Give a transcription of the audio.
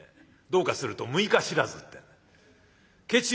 どうかすると「六日知らず」ってんで。